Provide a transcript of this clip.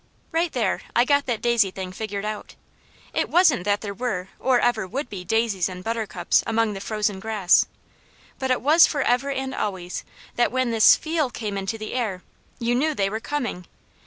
Right there I got that daisy thing figured out. It wasn't that there were or ever would be daisies and buttercups among the frozen grass; but it was forever and always that when this FEEL came into the air, you knew they were COMING.